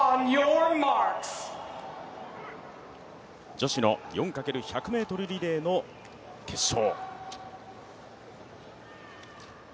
女子の４×１００ｍリレーの決勝